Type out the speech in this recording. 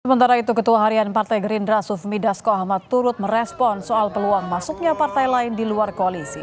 sementara itu ketua harian partai gerindra sufmi dasko ahmad turut merespon soal peluang masuknya partai lain di luar koalisi